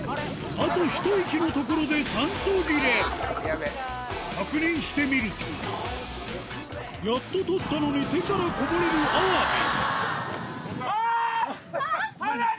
あと一息のところで確認してみるとやっと採ったのに手からこぼれるアワビ金メダル